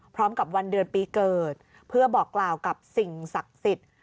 วันเดือนปีเกิดเพื่อบอกกล่าวกับสิ่งศักดิ์สิทธิ์